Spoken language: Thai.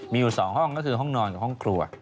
มีอยู่๒ห้องก็คือห้องนอนกับห้องครัว